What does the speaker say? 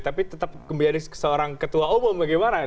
tapi tetap kembali jadi seorang ketua umum bagaimana nih